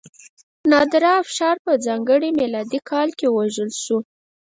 نادرافشار په ځانګړي میلادي کال کې ووژل شو.